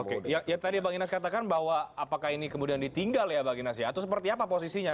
oke ya tadi bang inas katakan bahwa apakah ini kemudian ditinggal ya bang inas ya atau seperti apa posisinya